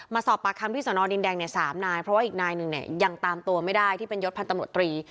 มาสอบปากคำที่สนดินแดงเนี่ย๓นายเพราะว่าอีกนายหนึ่งเนี่ยยังตามตัวไม่ได้ที่เป็นยศพันธมตรี